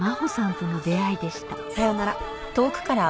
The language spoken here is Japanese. さようなら。